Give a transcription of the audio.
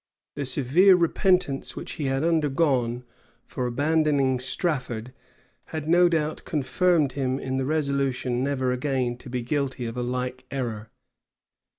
The severe repentance which he had undergone for abandoning Strafford, had no doubt confirmed him in the resolution never again to be guilty of a like error.